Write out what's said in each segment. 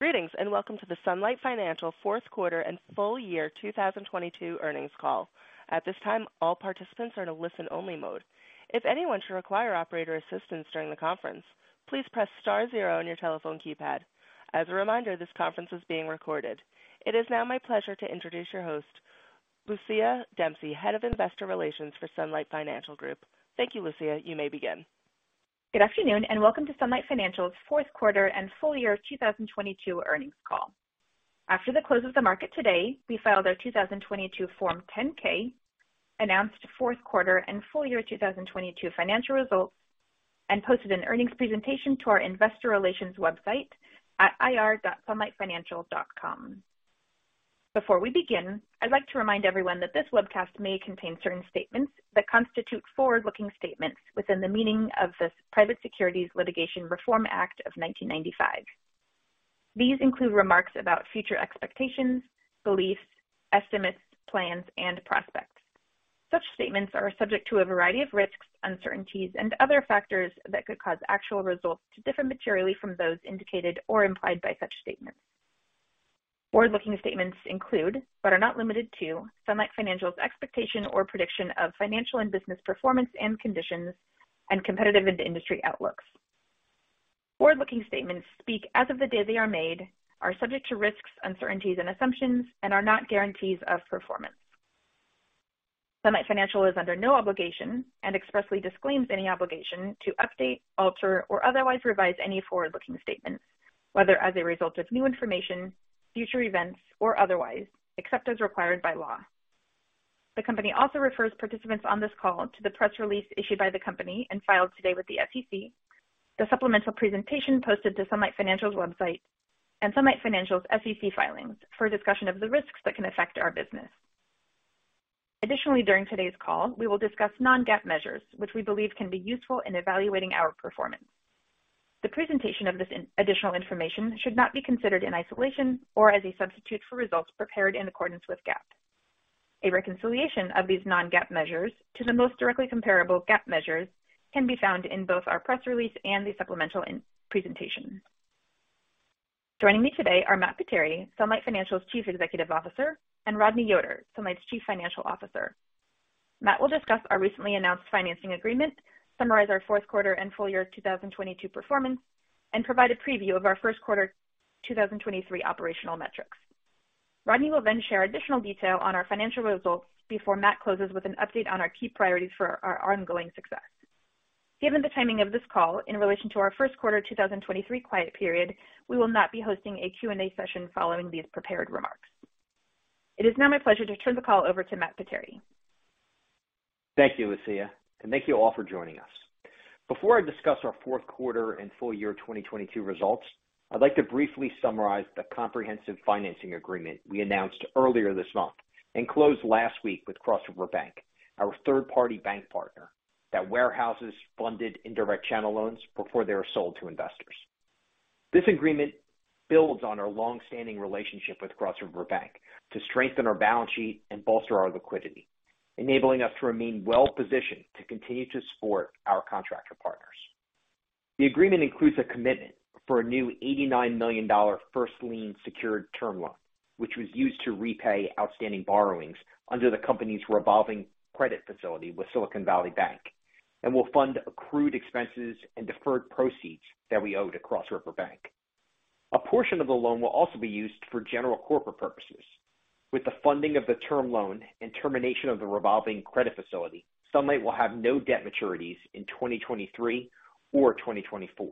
Greetings, and Welcome to the Sunlight Financial Fourth Quarter and Full Year 2022 Earnings Call. At this time, all participants are in a listen-only mode. If anyone should require operator assistance during the conference, please press star zero on your telephone keypad. As a reminder, this conference is being recorded. It is now my pleasure to introduce your host, Lucia Dempsey, Head of Investor Relations for Sunlight Financial Group. Thank you, Lucia. You may begin. Good afternoon and welcome to Sunlight Financial's fourth quarter and full year 2022 earnings call. After the close of the market today, we filed our 2022 Form 10-K, announced fourth quarter and full year 2022 financial results, and posted an earnings presentation to our investor relations website at ir.sunlightfinancial.com. Before we begin, I'd like to remind everyone that this webcast may contain certain statements that constitute forward-looking statements within the meaning of the Private Securities Litigation Reform Act of 1995. These include remarks about future expectations, beliefs, estimates, plans, and prospects. Such statements are subject to a variety of risks, uncertainties, and other factors that could cause actual results to differ materially from those indicated or implied by such statements. Forward-looking statements include, but are not limited to, Sunlight Financial's expectation or prediction of financial and business performance and conditions and competitive and industry outlooks. Forward-looking statements speak as of the day they are made, are subject to risks, uncertainties, and assumptions and are not guarantees of performance. Sunlight Financial is under no obligation and expressly disclaims any obligation to update, alter, or otherwise revise any forward-looking statements, whether as a result of new information, future events, or otherwise, except as required by law. The company also refers participants on this call to the press release issued by the company and filed today with the SEC, the supplemental presentation posted to Sunlight Financial's website, and Sunlight Financial's SEC filings for a discussion of the risks that can affect our business. During today's call, we will discuss non-GAAP measures which we believe can be useful in evaluating our performance. The presentation of this additional information should not be considered in isolation or as a substitute for results prepared in accordance with GAAP. A reconciliation of these non-GAAP measures to the most directly comparable GAAP measures can be found in both our press release and the supplemental presentation. Joining me today are Matt Potere, Sunlight Financial's Chief Executive Officer, and Rodney Yoder, Sunlight's Chief Financial Officer. Matt will discuss our recently announced financing agreement, summarize our fourth quarter and full year 2022 performance, and provide a preview of our first quarter 2023 operational metrics. Rodney will share additional detail on our financial results before Matt closes with an update on our key priorities for our ongoing success. Given the timing of this call in relation to our first quarter 2023 quiet period, we will not be hosting a Q&A session following these prepared remarks. It is now my pleasure to turn the call over to Matt Potere. Thank you, Lucia, and thank you all for joining us. Before I discuss our fourth quarter and full year 2022 results, I'd like to briefly summarize the comprehensive financing agreement we announced earlier this month and closed last week with Cross River Bank, our third-party bank partner that warehouses funded indirect channel loans before they are sold to investors. This agreement builds on our long-standing relationship with Cross River Bank to strengthen our balance sheet and bolster our liquidity, enabling us to remain well positioned to continue to support our contractor partners. The agreement includes a commitment for a new $89 million first lien secured term loan, which was used to repay outstanding borrowings under the company's revolving credit facility with Silicon Valley Bank and will fund accrued expenses and deferred proceeds that we owed to Cross River Bank. A portion of the loan will also be used for general corporate purposes. With the funding of the term loan and termination of the revolving credit facility, Sunlight will have no debt maturities in 2023 or 2024.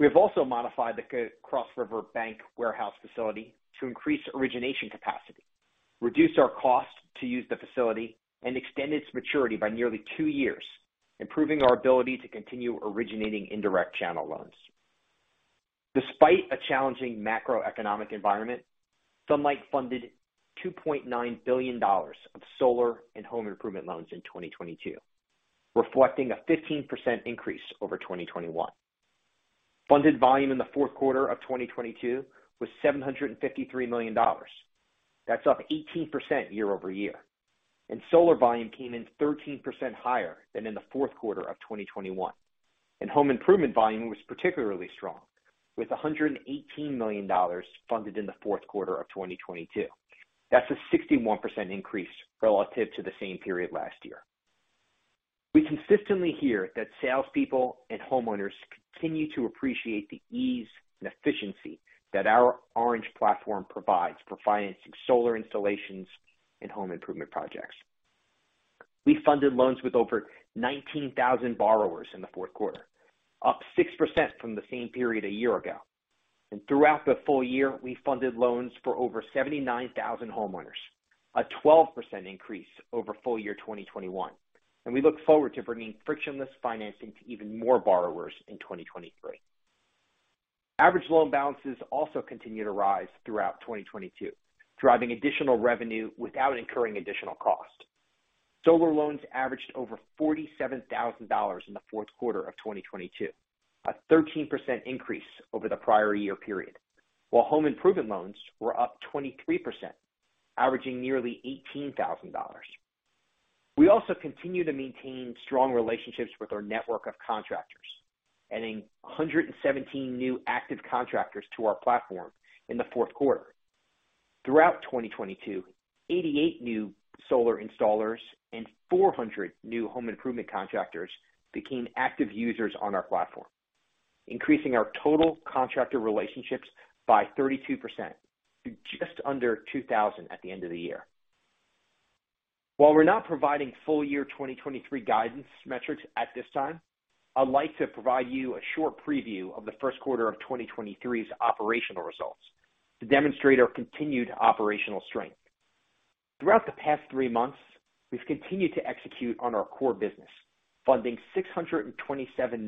We have also modified the Cross River Bank warehouse facility to increase origination capacity, reduce our cost to use the facility, and extend its maturity by nearly two years, improving our ability to continue originating indirect channel loans. Despite a challenging macroeconomic environment, Sunlight funded $2.9 billion of solar and home improvement loans in 2022, reflecting a 15% increase over 2021. Funded volume in the fourth quarter of 2022 was $753 million. That's up 18% year-over-year. Solar volume came in 13% higher than in the fourth quarter of 2021. Home improvement volume was particularly strong, with $118 million funded in the fourth quarter of 2022. That's a 61% increase relative to the same period last year. We consistently hear that salespeople and homeowners continue to appreciate the ease and efficiency that our Orange® platform provides for financing solar installations and home improvement projects. We funded loans with over 19,000 borrowers in the fourth quarter, up 6% from the same period a year ago. Throughout the full year, we funded loans for over 79,000 homeowners, a 12% increase over full year 2021. We look forward to bringing frictionless financing to even more borrowers in 2023. Average loan balances also continued to rise throughout 2022, driving additional revenue without incurring additional cost. Solar loans averaged over $47,000 in the fourth quarter of 2022, a 13% increase over the prior year period, while home improvement loans were up 23%, averaging nearly $18,000. We also continue to maintain strong relationships with our network of contractors, adding 117 new active contractors to our platform in the fourth quarter. Throughout 2022, 88 new solar installers and 400 new home improvement contractors became active users on our platform, increasing our total contractor relationships by 32% to just under 2,000 at the end of the year. While we're not providing full year 2023 guidance metrics at this time, I'd like to provide you a short preview of the first quarter of 2023's operational results to demonstrate our continued operational strength. Throughout the past three months, we've continued to execute on our core business, funding $627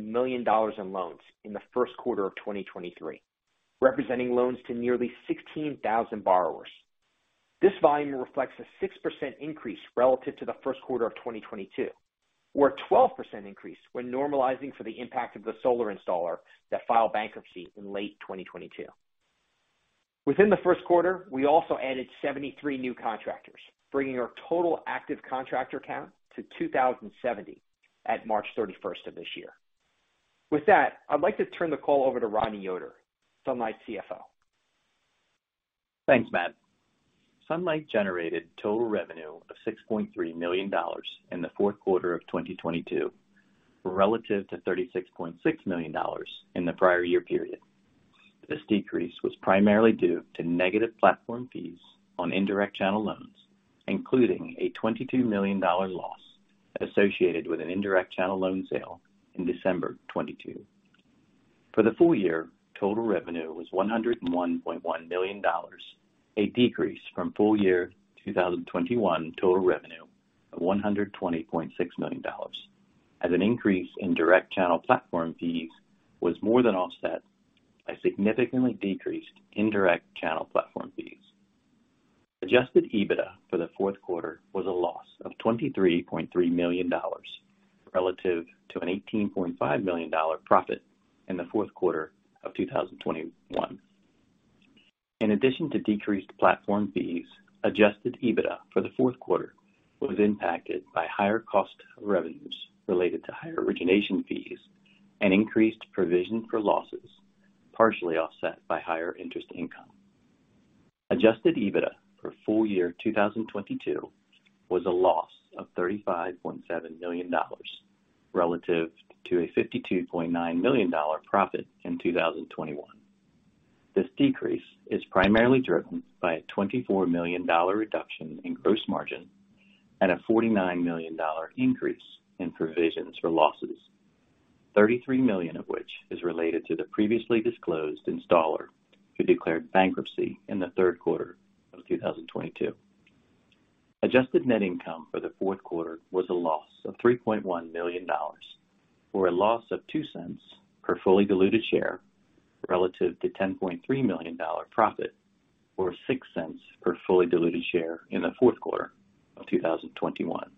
million in loans in the first quarter of 2023, representing loans to nearly 16,000 borrowers. This volume reflects a 6% increase relative to the first quarter of 2022, or a 12% increase when normalizing for the impact of the solar installer that filed bankruptcy in late 2022. Within the first quarter, we also added 73 new contractors, bringing our total active contractor count to 2,070 at March 31st of this year. With that, I'd like to turn the call over to Rodney Yoder, Sunlight's CFO. Thanks, Matt. Sunlight generated total revenue of $6.3 million in the fourth quarter of 2022 relative to $36.6 million in the prior year period. This decrease was primarily due to negative platform fees on indirect channel loans, including a $22 million loss associated with an indirect channel loan sale in December 2022. For the full year, total revenue was $101.1 million, a decrease from full year 2021 total revenue of $120.6 million as an increase in Direct Channel Platform Fees was more than offset by significantly decreased indirect channel platform fees. Adjusted EBITDA for the fourth quarter was a loss of $23.3 million relative to an $18.5 million profit in the fourth quarter of 2021. In addition to decreased platform fees, Adjusted EBITDA for the fourth quarter was impacted by higher cost of revenues related to higher origination fees and increased provision for losses, partially offset by higher interest income. Adjusted EBITDA for full year 2022 was a loss of $35.7 million relative to a $52.9 million profit in 2021. This decrease is primarily driven by a $24 million reduction in gross margin and a $49 million increase in provisions for losses, $33 million of which is related to the previously disclosed installer who declared bankruptcy in the third quarter of 2022. Adjusted net income for the fourth quarter was a loss of $3.1 million, or a loss of $0.02 per fully diluted share, relative to a $10.3 million profit, or $0.06 per fully diluted share in the fourth quarter of 2021.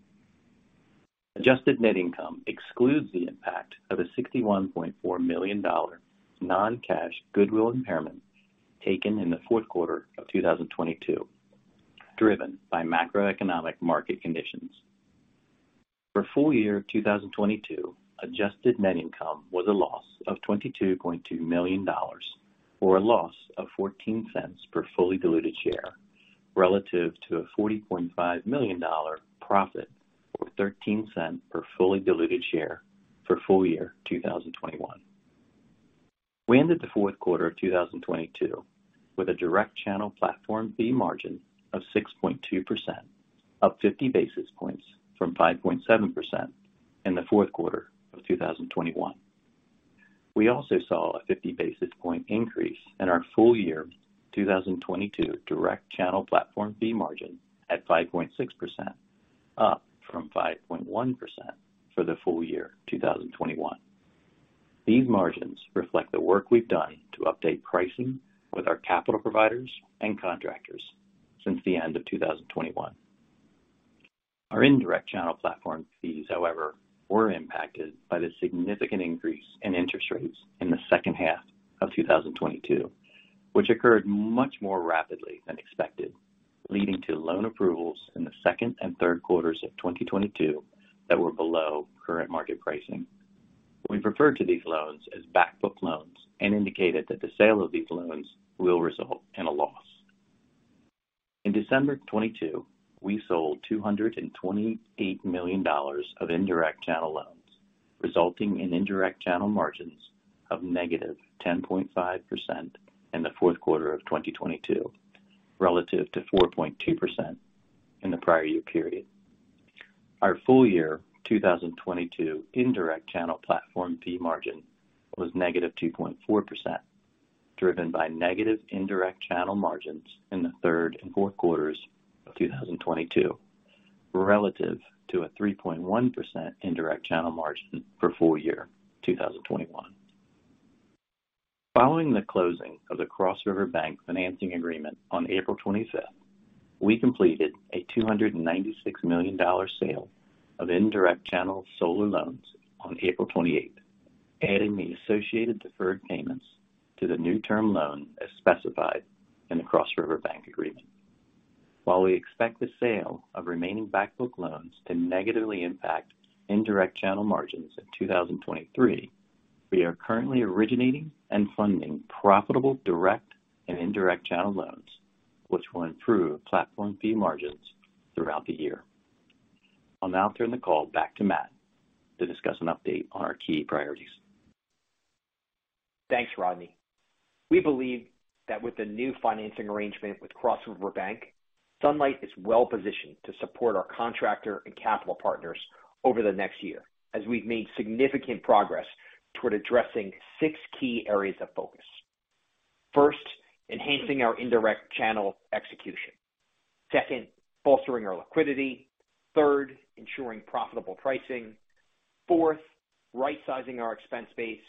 Adjusted net income excludes the impact of a $61.4 million non-cash goodwill impairment taken in the fourth quarter of 2022, driven by macroeconomic market conditions. For full year 2022, adjusted net income was a loss of $22.2 million, or a loss of $0.14 per fully diluted share, relative to a $40.5 million profit, or $0.13 per fully diluted share for full year 2021. We ended the fourth quarter of 2022 with a direct channel platform fee margin of 6.2%, up 50 basis points from 5.7% in the fourth quarter of 2021. We also saw a 50 basis point increase in our full year 2022 direct channel platform fee margin at 5.6%, up from 5.1% for the full year 2021. These margins reflect the work we've done to update pricing with our capital providers and contractors since the end of 2021. Our indirect channel platform fees, however, were impacted by the significant increase in interest rates in the second half of 2022, which occurred much more rapidly than expected, leading to loan approvals in the second and third quarters of 2022 that were below current market pricing. We refer to these loans as back-book loans and indicated that the sale of these loans will result in a loss. In December 2022, we sold $228 million of indirect channel loans, resulting in indirect channel margins of -10.5% in the fourth quarter of 2022 relative to 4.2% in the prior year period. Our full year 2022 indirect channel platform fee margin was -2.4%, driven by negative indirect channel margins in the third and fourth quarters of 2022, relative to a 3.1% indirect channel margin for full year 2021. Following the closing of the Cross River Bank financing agreement on April 25th, we completed a $296 million sale of indirect channel solar loans on April 28th. Adding the associated deferred payments to the new term loan as specified in the Cross River Bank agreement. While we expect the sale of remaining back-book loans to negatively impact indirect channel margins in 2023, we are currently originating and funding profitable direct and indirect channel loans, which will improve platform fee margins throughout the year. I'll now turn the call back to Matt to discuss an update on our key priorities. Thanks, Rodney. We believe that with the new financing arrangement with Cross River Bank, Sunlight is well-positioned to support our contractor and capital partners over the next year as we've made significant progress toward addressing six key areas of focus. First, enhancing our indirect channel execution. Second, bolstering our liquidity. Third, ensuring profitable pricing. Fourth, right-sizing our expense base.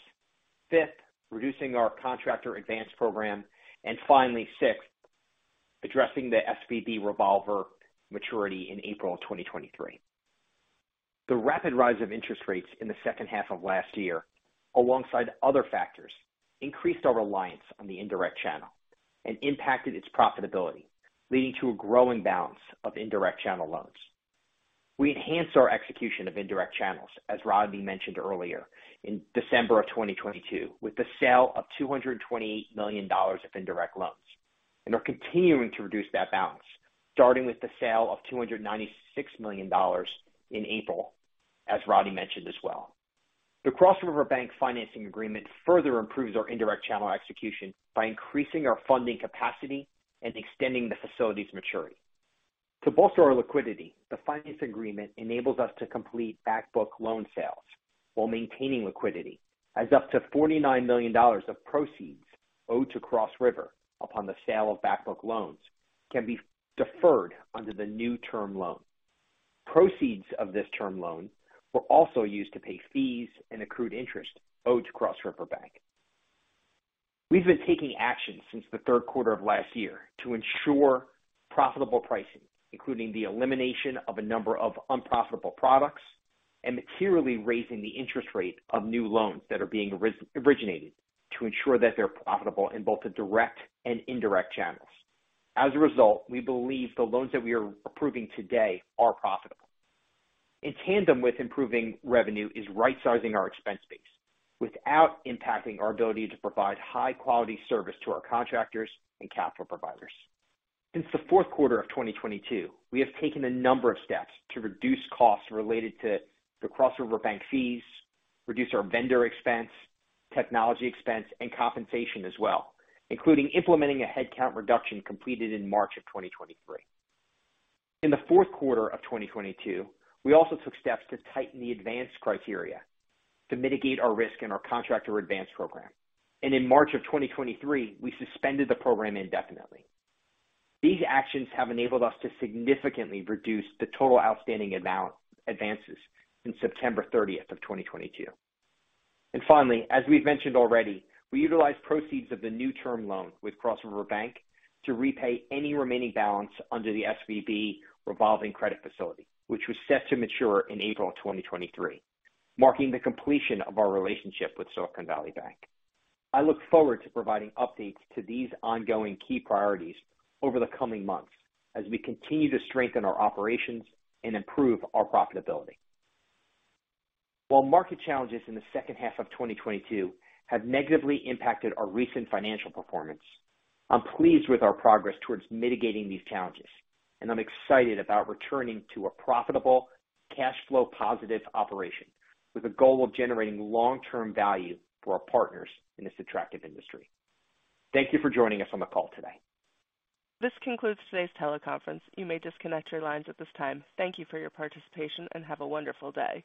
Fifth, reducing our Contractor Advance Program. Finally, sixth, addressing the SVB revolver maturity in April of 2023. The rapid rise of interest rates in the second half of last year, alongside other factors, increased our reliance on the indirect channel and impacted its profitability, leading to a growing balance of indirect channel loans. We enhanced our execution of indirect channels, as Rodney mentioned earlier, in December of 2022, with the sale of $228 million of indirect loans. Are continuing to reduce that balance, starting with the sale of $296 million in April, as Rodney mentioned as well. The Cross River Bank financing agreement further improves our indirect channel execution by increasing our funding capacity and extending the facility's maturity. To bolster our liquidity, the finance agreement enables us to complete back-book loan sales while maintaining liquidity as up to $49 million of proceeds owed to Cross River upon the sale of back-book loans can be deferred under the new term loan. Proceeds of this term loan were also used to pay fees and accrued interest owed to Cross River Bank. We've been taking action since the third quarter of last year to ensure profitable pricing, including the elimination of a number of unprofitable products and materially raising the interest rate of new loans that are being originated to ensure that they're profitable in both the direct and indirect channels. We believe the loans that we are approving today are profitable. In tandem with improving revenue is right-sizing our expense base without impacting our ability to provide high-quality service to our contractors and capital providers. Since the fourth quarter of 2022, we have taken a number of steps to reduce costs related to the Cross River Bank fees, reduce our vendor expense, technology expense, and compensation as well, including implementing a headcount reduction completed in March of 2023. In the fourth quarter of 2022, we also took steps to tighten the advance criteria to mitigate our risk in our Contractor Advance Program. In March of 2023, we suspended the program indefinitely. These actions have enabled us to significantly reduce the total outstanding amount advances in September 30th of 2022. Finally, as we've mentioned already, we utilized proceeds of the new term loan with Cross River Bank to repay any remaining balance under the SVB revolving credit facility, which was set to mature in April of 2023, marking the completion of our relationship with Silicon Valley Bank. I look forward to providing updates to these ongoing key priorities over the coming months as we continue to strengthen our operations and improve our profitability. While market challenges in the second half of 2022 have negatively impacted our recent financial performance, I'm pleased with our progress towards mitigating these challenges. I'm excited about returning to a profitable cash flow positive operation with a goal of generating long-term value for our partners in this attractive industry. Thank you for joining us on the call today. This concludes today's teleconference. You may disconnect your lines at this time. Thank you for your participation, and have a wonderful day.